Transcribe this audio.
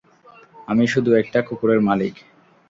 আমি শুধু একটা কুকুরের মালিক।